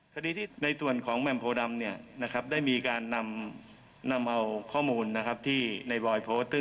คดีที่ในส่วนของแหม่มโพดำได้มีการนำเอาข้อมูลนะครับที่ในบอยโพสต์